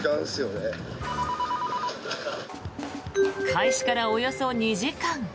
開始からおよそ２時間。